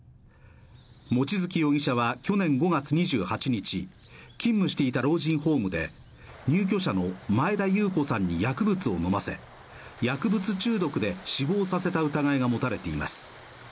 望月容疑者は去年５月２８日勤務していた老人ホームで入居者の前田裕子さんに薬物を飲ませ薬物中毒で死亡させた疑いが持たれています